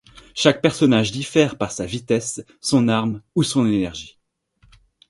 Chaque personnage diffère par sa vitesse, son arme ou son énergie.